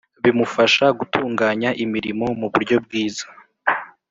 bimufasha gutunganya imirimo mu buryo bwiza